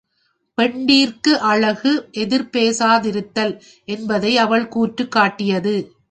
பெண்டிர்க்கு அழகு எதிர்பேசாதிருத்தல் என்பதை அவள் கூற்றுக் காட்டியது.